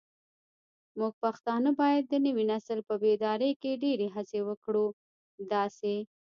موږ پښتانه بايد د نوي نسل په بيداري کې ډيرې هڅې وکړو داسې